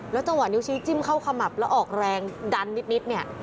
จังหวะนิ้วชี้จิ้มเข้าขมับแล้วออกแรงดันนิดเนี่ย